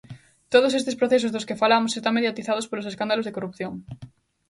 Todos estes procesos dos que falamos están mediatizados polos escándalos de corrupción.